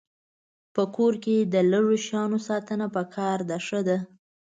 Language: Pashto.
په کور کې د لږو شیانو ساتنه پکار ده ښه ده.